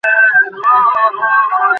ঠাণ্ডাও না, বেশি গরমও না।